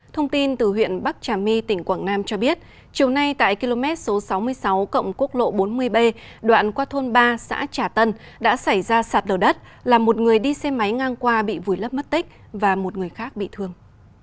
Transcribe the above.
thông tin từ huyện bắc trà my tỉnh quảng nam cho biết chiều nay tại km số sáu mươi sáu cộng quốc lộ bốn mươi b đoạn qua thôn ba xã trà tân đã xảy ra sạt đầu đất là một người đi xe máy ngang qua bị vùi lấp mất tích và một người khác bị thương